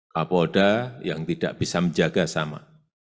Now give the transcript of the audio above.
kapolda yang tidak bisa menjaga sama